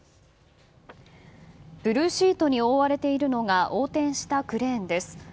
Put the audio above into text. ブルーシートに覆われているのが横転したクレーンです。